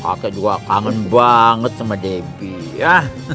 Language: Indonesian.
kakek juga kangen banget sama debbie ya